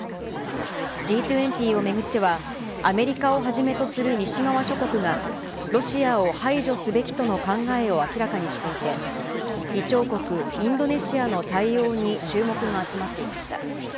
Ｇ２０を巡っては、アメリカをはじめとする西側諸国がロシアを排除すべきとの考えを明らかにしていて、議長国インドネシアの対応に注目が集まっていました。